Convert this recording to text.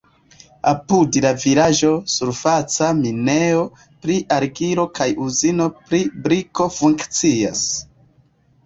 Apud la vilaĝo surfaca minejo pri argilo kaj uzino pri briko funkcias.